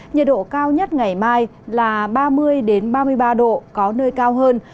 nhiệt độ cao nhất ngày mai là ba mươi ba mươi ba độ có nơi cao hơn